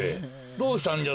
どうしたんじゃ？